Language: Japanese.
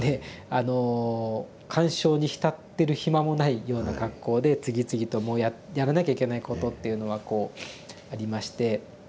あの感傷に浸ってる暇もないような格好で次々とやらなきゃいけないことっていうのはありまして。